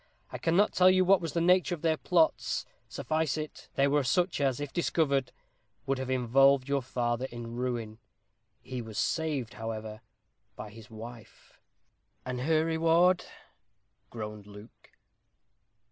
I cannot tell you what was the nature of their plots. Suffice it, they were such as, if discovered, would have involved your father in ruin. He was saved, however, by his wife." "And her reward " groaned Luke.